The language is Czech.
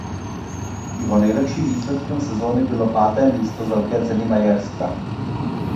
Jeho nejlepším výsledkem sezony bylo páté místo z Velké Ceny Maďarska.